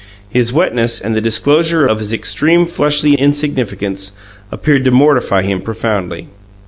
His wetness and the disclosure of his extreme fleshly insignificance appeared to mortify him profoundly.